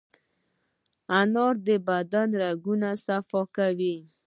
انار د بدن رګونه صفا کوي.